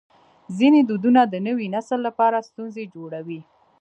ځینې دودونه د نوي نسل لپاره ستونزې جوړوي.